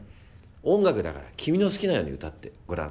「音楽だから君の好きなように歌ってごらん。